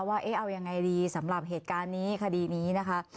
ว่าเอายังไงดีสำหรับเหตุการณ์นี้คดีนี้นะคะ